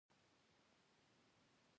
د ایماقانو سیمې په غور کې دي